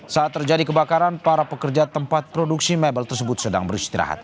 saat terjadi kebakaran para pekerja tempat produksi mebel tersebut sedang beristirahat